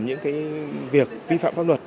những cái việc vi phạm pháp luật